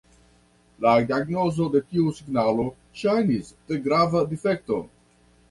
La diagnozo de tiu signalo ŝajnis tre grava difekto.